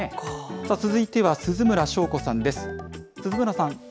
さあ、続いては鈴村翔子さんです。